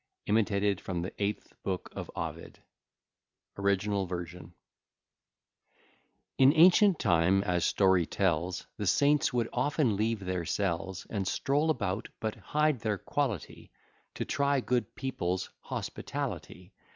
IMITATED FROM THE EIGHTH BOOK OF OVID In ancient time, as story tells, The saints would often leave their cells, And stroll about, but hide their quality, To try good people's hospitality.